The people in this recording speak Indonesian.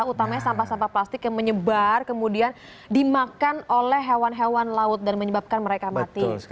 utamanya sampah sampah plastik yang menyebar kemudian dimakan oleh hewan hewan laut dan menyebabkan mereka mati